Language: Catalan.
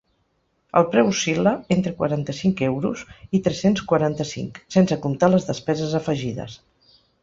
El preu oscil·la entre quaranta-cinc euros i tres-cents quaranta-cinc, sense comptar les despeses afegides.